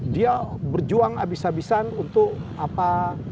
dia berjuang abis abisan untuk apa